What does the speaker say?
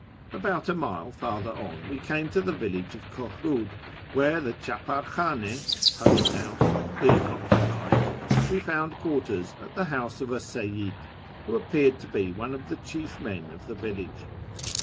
About a mile farther on we came to the village of Kohrud, where, the chdpdr khdnd (post house) being occupied, we found quarters at the house of a Seyyid, who appeared to be one of the chief men of the village.